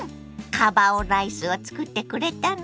カバ男ライスをつくってくれたの？